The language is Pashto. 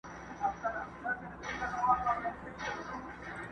د يوه يې سل لكۍ وې يو يې سر وو٫